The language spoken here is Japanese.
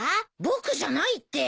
僕じゃないって。